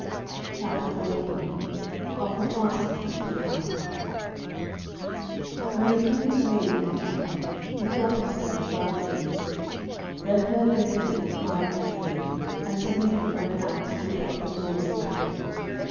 CHAPTER XLI OF THE PASSING OF KING ARTHUR When the King was laid in the chapel he thought himself well eased. Then heard they people cry in the field, and Sir Lucan went out to wit what the noise betokened.